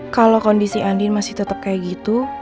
kalau kondisi andin masih tetap kayak gitu